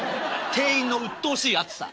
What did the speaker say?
店員のうっとうしい熱さ。